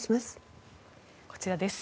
こちらです。